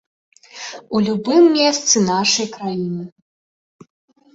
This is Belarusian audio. У любым месцы нашай краіны.